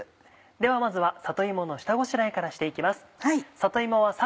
ではまずは里芋の下ごしらえからして行きます。